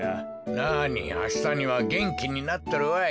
なにあしたにはげんきになっとるわい。